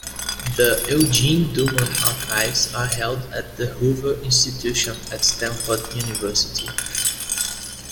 The "Eugene Dooman archives" are held at the Hoover Institution at Stanford University.